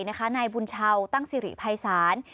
ในบุญชาวตั้งสิริภายศาสตร์